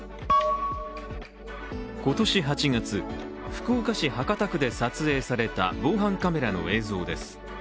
今年８月福岡市博多区で撮影された防犯カメラの映像です。